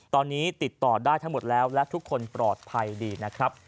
ตอนนี้ติดต่อได้ทั้งหมดแล้วและทุกคนปลอดภัยดีนะครับ